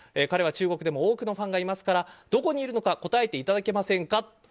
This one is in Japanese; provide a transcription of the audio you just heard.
彼は中国でも多くのファンがいますからどこにいるのか答えていただけませんか？